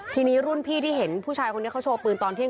ทีนี้รุ่นพี่ที่เห็นผู้ชายคนนี้เขาโชว์ปืนตอนเที่ยง